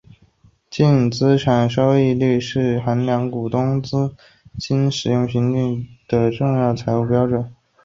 净资产收益率是衡量股东资金使用效率的重要财务指标。